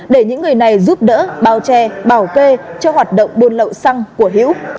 để những người này giúp đỡ bào tre bào kê cho hoạt động buôn lậu xăng của hữu